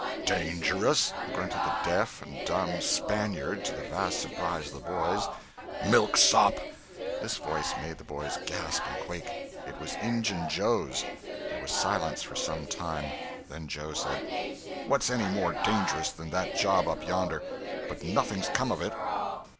"Dangerous!" grunted the "deaf and dumb" Spaniard—to the vast surprise of the boys. "Milksop!" This voice made the boys gasp and quake. It was Injun Joe's! There was silence for some time. Then Joe said: "What's any more dangerous than that job up yonder—but nothing's come of it."